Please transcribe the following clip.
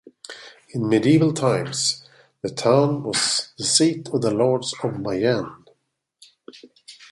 In medieval times, the town was the seat of the Lords of Mayenne.